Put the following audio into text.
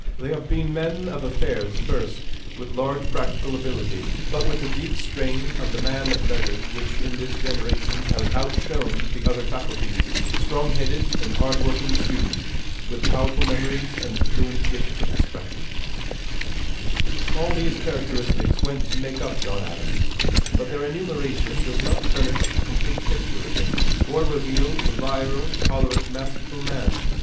They have been men of affairs first, with large practical ability, but with a deep strain of the man of letters which in this generation has outshone the other faculties; strong headed and hard working students, with powerful memories and fluent gifts of expression. [Illustration: JOHN ADAMS.] All these characteristics went to make up John Adams; but their enumeration does not furnish a complete picture of him, or reveal the virile, choleric, masterful man.